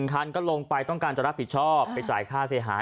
คันก็ลงไปต้องการจะรับผิดชอบไปจ่ายค่าเสียหาย